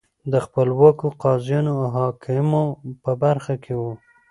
د خپلواکو قاضیانو او محاکمو په برخه کې وو